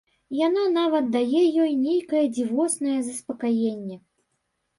Яна нават дае ёй нейкае дзівоснае заспакаенне.